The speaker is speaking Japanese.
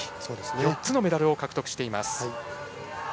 ４つのメダルを獲得しています。